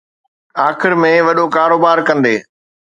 آخر ۾ وڏو ڪاروبار ڪندي